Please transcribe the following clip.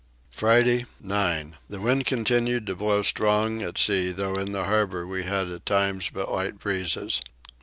Friday 9. The wind continued to blow strong at sea though in the harbour we had at times but light breezes.